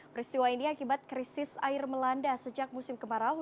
peristiwa ini akibat krisis air melanda sejak musim kemarau